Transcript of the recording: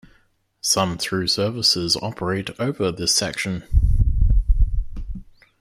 Some through services operate over this section.